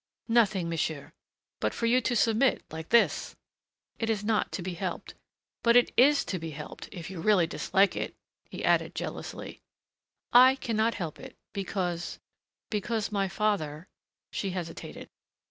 "Nothing, monsieur." "But for you to submit like this " "It is not to be helped." "But it is to be helped if you really dislike it," he added jealously. "I cannot help it, because because my father " She hesitated.